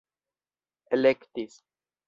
elektis